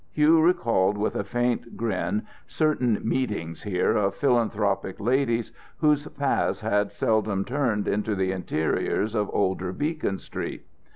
Hugh recalled with a faint grin certain meetings here of philanthropic ladies whose paths had seldom turned into the interiors of older Beacon Street.